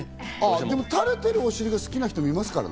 でも、垂れてるお尻が好きな人もいますからね。